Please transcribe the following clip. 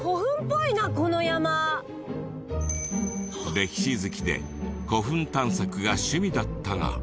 歴史好きで古墳探索が趣味だったが。